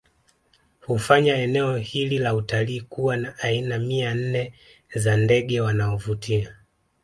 Hufanya eneo hili la utalii kuwa na aina mia nne za ndege wanaovutia